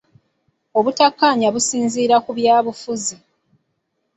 Obutakkaanya businziira ku byabufuzi.